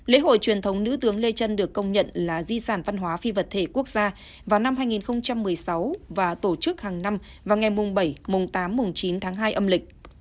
lễ hội truyền thống nữ tướng lê trân được công nhận là di sản văn hóa phi vật thể quốc gia vào năm hai nghìn một mươi sáu và tổ chức hàng năm vào ngày mùng bảy mùng tám mùng chín tháng hai âm lịch